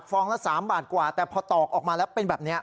องละ๓บาทกว่าแต่พอตอกออกมาแล้วเป็นแบบนี้